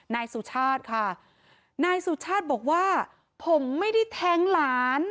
นายสุชาติค่ะนายสุชาติบอกว่าผมไม่ได้แทงหลาน